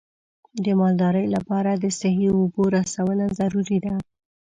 د مالدارۍ لپاره د صحي اوبو رسونه ضروري ده.